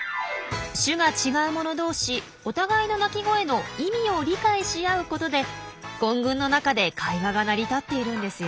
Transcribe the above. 種が違うもの同士お互いの鳴き声の意味を理解し合うことで混群の中で会話が成り立っているんですよ。